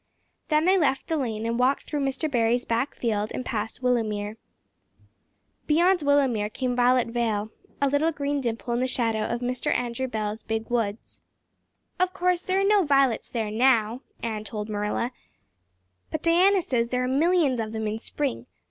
Then they left the lane and walked through Mr. Barry's back field and past Willowmere. Beyond Willowmere came Violet Vale a little green dimple in the shadow of Mr. Andrew Bell's big woods. "Of course there are no violets there now," Anne told Marilla, "but Diana says there are millions of them in spring.